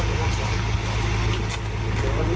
อีกหน่อยครับ